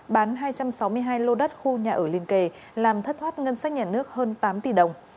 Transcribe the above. bán hai trăm sáu mươi hai lô đất khu nhà ở liên kề làm thất thoát ngân sách nhà nước hơn tám tỷ đồng